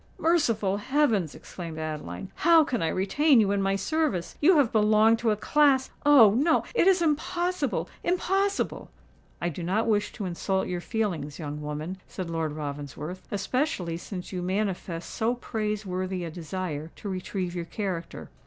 "Merciful heavens!" exclaimed Adeline; "how can I retain you in my service? You have belonged to a class—oh! no—it is impossible—impossible!" "I do not wish to insult your feelings, young woman," said Lord Ravensworth; "especially since you manifest so praiseworthy a desire to retrieve your character.